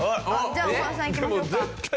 じゃあ大橋さんいきましょうか。